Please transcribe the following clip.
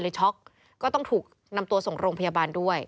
ช็อกก็ต้องถูกนำตัวส่งโรงพยาบาลด้วย